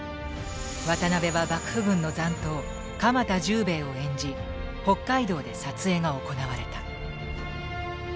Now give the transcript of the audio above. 渡辺は幕府軍の残党釜田十兵衛を演じ北海道で撮影が行われた。